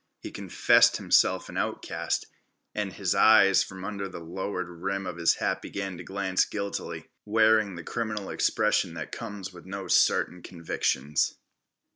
He confessed himself an outcast, and his eyes from under the lowered rim of his hat began to glance guiltily, wearing the criminal expression that comes with certain convictions.